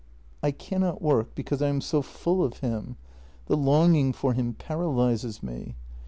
" I cannot work because I am so full of him — the longing for him paralyses me.